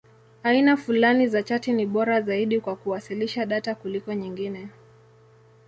Aina fulani za chati ni bora zaidi kwa kuwasilisha data kuliko nyingine.